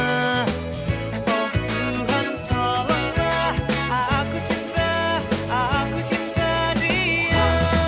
oh tuhan tolonglah aku cinta aku cinta dia